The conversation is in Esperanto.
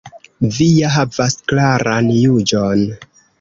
Vi ja havas klaran juĝon.